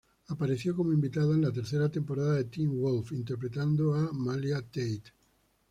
Apareció como invitada en la tercera temporada de "Teen Wolf", interpretando a Malia Tate.